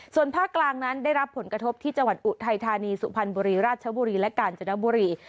ส่วนภาคกลางนั้นได้รับผลกระทบที่จังหวัดอุทัยธานีสุพรรณบุรีราชบุรีและกาญจนบุรี